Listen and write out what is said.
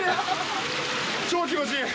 気持ちいい！